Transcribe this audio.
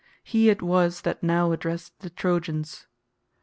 He it was that now addressed the Trojans.